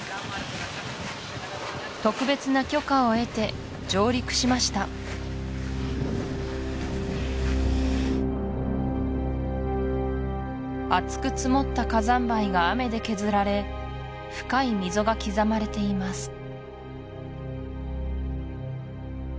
特別な許可を得て上陸しました厚く積もった火山灰が雨で削られ深い溝が刻まれています